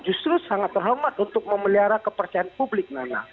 justru sangat terhormat untuk memelihara kepercayaan publik nana